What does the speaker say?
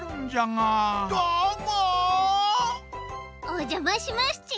おじゃましますち！